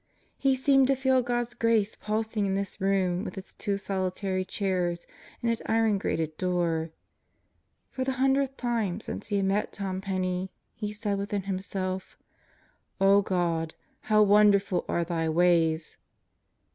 He seemed to feel God's grace pulsing in this room with its two solitary chairs and its iron grated door. For the hundredth time since he had met Tom Penney he said within himself: "0 God, how wonderful are Thy ways!"